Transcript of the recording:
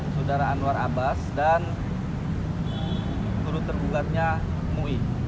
saudara anwar abbas dan turut tergugatnya mui